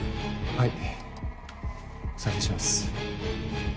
はい。